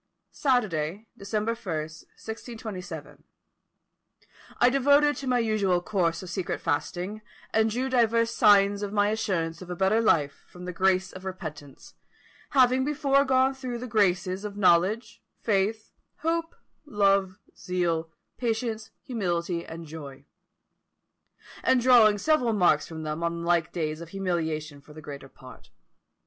"Saturday, December 1, 1627, I devoted to my usual course of secret fasting, and drew divers signs of my assurance of a better life from the grace of repentance, having before gone through the graces of knowledge, faith, hope, love, zeal, patience, humility, and joy; and drawing several marks from them on like days of humiliation for the greater part.